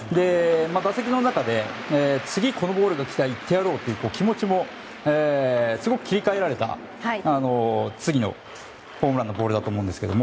打席の中で次、このボールが来たらいってやろうという気持ちもすごく切り替えられた次のホームランのボールだと思うんですけど。